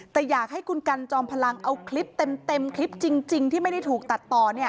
แต่อยากให้คุณกันจอมพลังเอาคลิปเต็มคลิปจริงที่ไม่ได้ถูกตัดต่อ